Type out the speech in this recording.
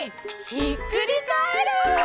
ひっくりカエル！